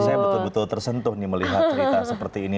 saya betul betul tersentuh nih melihat cerita seperti ini